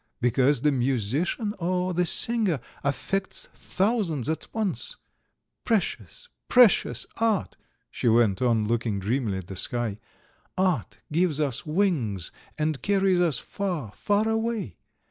Because the musician or the singer affects thousands at once. Precious, precious art!" she went on, looking dreamily at the sky. "Art gives us wings and carries us far, far away!